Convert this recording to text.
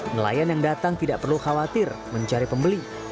nelayan yang datang tidak perlu khawatir mencari pembeli